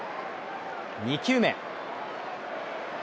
２球目。